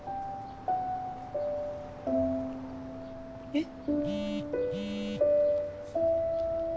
えっ？